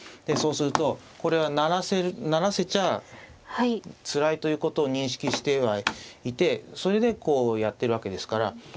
そうするとこれは成らせちゃあつらいということを認識してはいてそれでこうやってるわけですから。